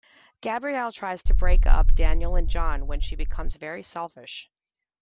Gabrielle tries to break up Danielle and John when she becomes very selfish.